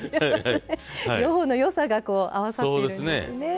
両方の良さがこう合わさってるんですね。